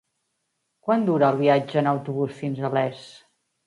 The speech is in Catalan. Quant dura el viatge en autobús fins a Les?